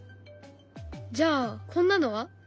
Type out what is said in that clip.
じゃあこんなのは？